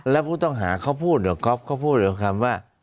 แล้วผู้ต้องหาเขาพูดเขาพูดแบบคำว่า